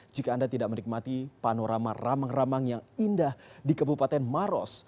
jika anda tidak menikmati panorama ramang ramang yang indah di kebupaten maros